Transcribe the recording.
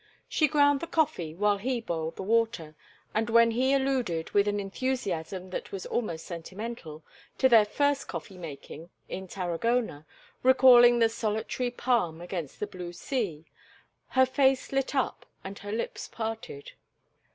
She ground the coffee while he boiled the water, and when he alluded, with an enthusiasm that was almost sentimental, to their first coffee making in Tarragona, recalling the solitary palm against the blue sea, her face lit up and her lips parted.